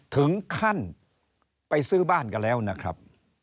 ถึงขั้นไปซื้อบ้านกันแล้วนะครับ